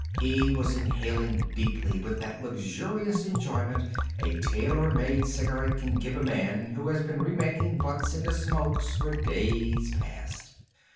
He was inhaling deeply with that luxurious enjoyment a tailor made cigarette can give a man who had been remaking butts into smokes for days past.